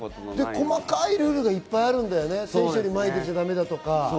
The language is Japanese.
細かいルールがいっぱいあるんだよね、選手より前に出ちゃだめだとか。